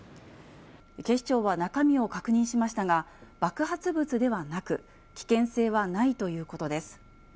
警視庁は中身を確認しましたが、爆発物ではなく、危険性はないということです。